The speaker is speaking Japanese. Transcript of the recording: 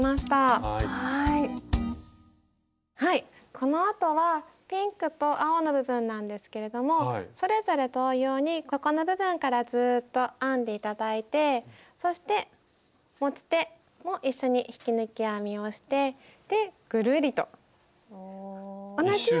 このあとはピンクと青の部分なんですけれどもそれぞれ同様にここの部分からずっと編んで頂いてそして持ち手も一緒に引き抜き編みをしてぐるりと同じように。